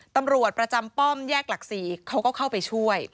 ตำรวจประจำป้อมแยกหลัก๔เขาก็เข้าไปช่วย